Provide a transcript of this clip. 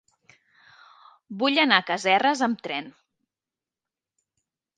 Vull anar a Casserres amb tren.